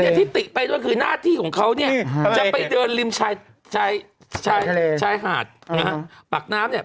ก็คือที่ติ๊กไปก็คือหน้าที่ของเขาเนี่ยจะไปเดินริมชายทะเลชายหาดปากน้ำเนี่ย